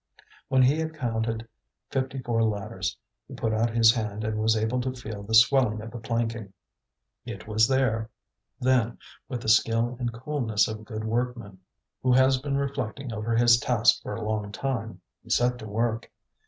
When he had counted fifty four ladders he put out his hand and was able to feel the swelling of the planking. It was there. Then, with the skill and coolness of a good workman who has been reflecting over his task for a long time, he set to work.